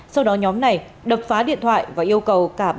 sau đó nhóm này đập phá điện thoại và yêu cầu cả ba con tin